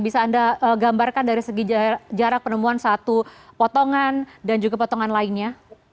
bisa anda gambarkan dari segi jarak penemuan satu potongan dan juga potongan lainnya